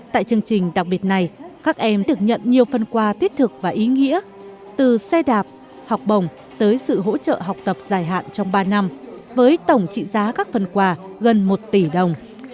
tại chương trình đặc biệt này các em được nhận nhiều phần quà thiết thực và ý nghĩa từ xe đạp học bồng tới sự hỗ trợ học tập dài hạn trong ba năm với tổng trị giá các phần quà gần một tỷ đồng